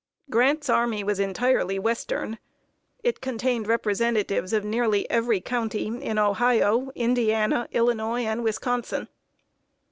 Grant's army was entirely western. It contained representatives of nearly every county in Ohio, Indiana, Illinois, and Wisconsin.